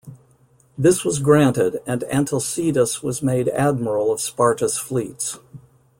This was granted and Antalcidas was made admiral of Sparta's fleets.